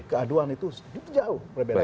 keaduan itu jauh berbeda